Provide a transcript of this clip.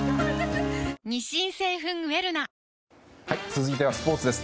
続いてはスポーツです。